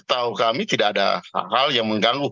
tetapi secara pribadi setahu kami tidak ada hal hal yang mengganggu